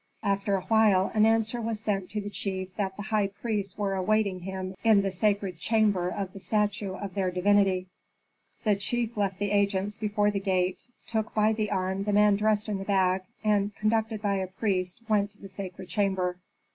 After a while an answer was sent to the chief that the high priests were awaiting him in the sacred chamber of the statue of their divinity. The chief left the agents before the gate, took by the arm the man dressed in the bag, and, conducted by a priest, went to the sacred chamber.